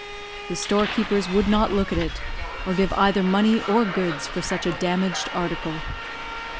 The storekeepers would not look at it, or give either money or goods for such a damaged article.